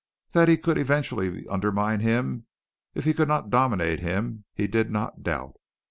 That he could eventually undermine him if he could not dominate him he did not doubt.